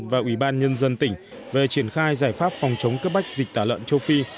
và ủy ban nhân dân tỉnh về triển khai giải pháp phòng chống cấp bách dịch tả lợn châu phi